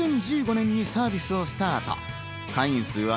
２０１５年にサービスをスタート。